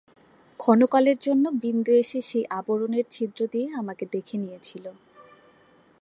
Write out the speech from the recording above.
ক্ষণকালের জন্য বিন্দু এসে সেই আবরণের ছিদ্র দিয়ে আমাকে দেখে নিয়েছিল।